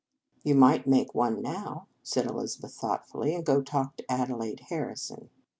" You might make one now," said Elizabeth thoughtfully, " and go talk to Adelaide Harrison."